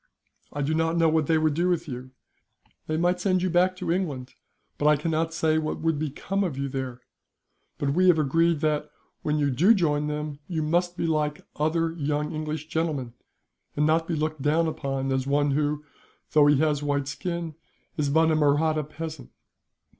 I do not know what they would do with you. They might send you back to England, but I cannot say what would become of you there; but we have agreed that, when you do join them, you must be like other young English gentlemen, and not be looked down upon as one who, though he has a white skin, is but a Mahratta peasant.